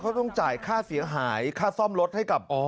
เขาต้องจ่ายค่าเสียหายค่าซ่อมรถให้กับอ๋อ